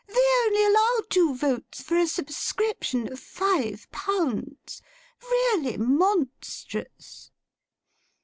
They only allow two votes for a subscription of five pounds. Really monstrous!